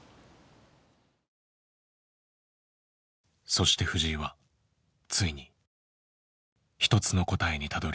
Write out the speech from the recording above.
そして藤井はついに一つの答えにたどりつく。